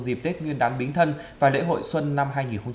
dịp tết nguyên đán bính thân và lễ hội xuân năm hai nghìn một mươi sáu